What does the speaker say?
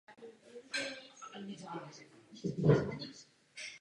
V jednotlivých pozicích čili buňkách mohou být uložena data jako konstanty nebo jako vzorce.